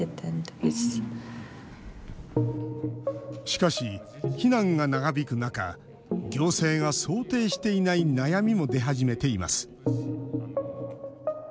しかし、避難が長引く中行政が想定していない悩みも出始めています。